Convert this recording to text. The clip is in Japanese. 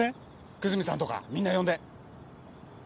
久住さんとかみんな呼んで！